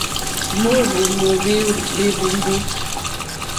Mǒhwò móhwí líhwùmbú.